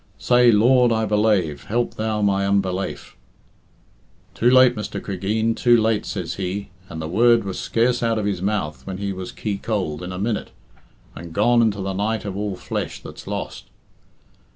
Say, "Lord, I belaive; help thou my unbelaife."' 'Too late, Mr. Cregeen, too late,' says he, and the word was scarce out of his mouth when he was key cold in a minute, and gone into the night of all flesh that's lost.